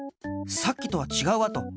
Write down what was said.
さっきとはちがうあと！